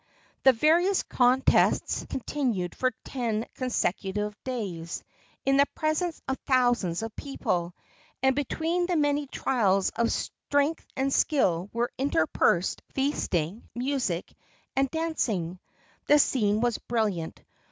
The various contests continued for ten consecutive days, in the presence of thousands of people, and between the many trials of strength and skill were interspersed feasting, music and dancing. The scene was brilliant.